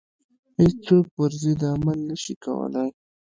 هیڅوک پر ضد عمل نه شي کولای.